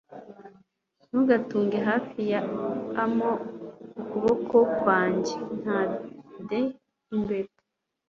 ntugatume hafi ya am-o. ukuboko kwanjye nta de imbere